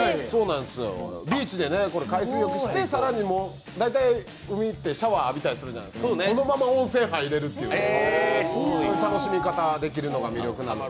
ビーチで海水浴して、更に海ってシャワー浴びたりするじゃないですか、そのまま温泉入れるという、そういう楽しみ方をできるのが魅力なんです。